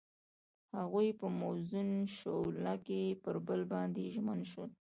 هغوی په موزون شعله کې پر بل باندې ژمن شول.